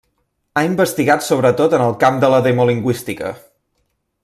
Ha investigat sobretot en el camp de la demolingüística.